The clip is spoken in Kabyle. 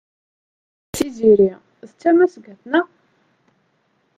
Tiziri d tamasgadt, naɣ?